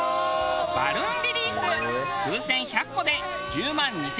バルーンリリース風船１００個で１０万２３００円。